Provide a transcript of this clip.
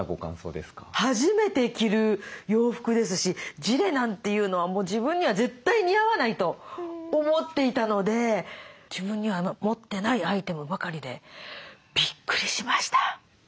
初めて着る洋服ですしジレなんていうのはもう自分には絶対似合わないと思っていたので自分には持ってないアイテムばかりでビックリしました。